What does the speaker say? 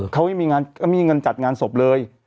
เขาไม่มีเงินจัดงานศพเลย